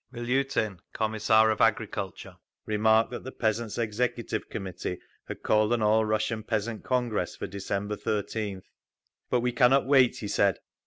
Miliutin, Commissar of Agriculture, remarked that the Peasants' Executive Committee had called an All Russian Peasant Congress for December 13th. "But we cannot wait," he said.